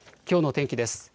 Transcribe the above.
きょうの天気です。